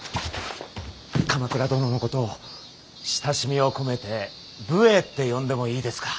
鎌倉殿のことを親しみを込めて武衛って呼んでもいいですか。